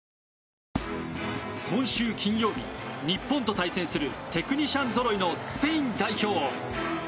今週金曜日、日本と対戦するテクニシャンぞろいのスペイン代表。